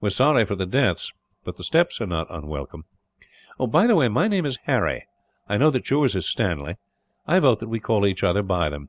We are sorry for the deaths, but the steps are not unwelcome. "By the way, my name is Harry. I know that yours is Stanley. I vote that we call each other by them.